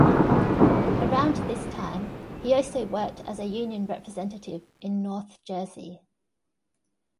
Around this time he also worked as a union representative in North Jersey.